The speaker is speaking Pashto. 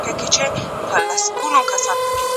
زه پرون انځورونه رسم کړل!؟